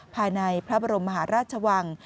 ภายในพระบรมมหาราชวัง